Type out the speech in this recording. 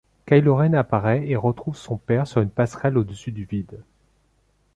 Kylo Ren apparaît et retrouve son père sur une passerelle au-dessus du vide.